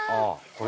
これ。